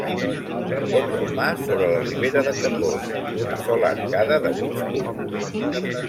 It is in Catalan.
Pont romà sobre la Ribera de Cardós, d'una sola arcada de mig punt.